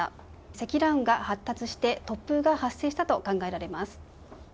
積乱雲が発達して突風が発生したと考えられます。